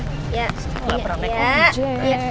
nggak pernah naik ojek